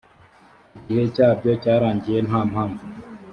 igice cyabyo cyarangiye nta mpamvu.